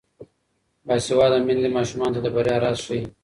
باسواده میندې ماشومانو ته د بریا راز ښيي.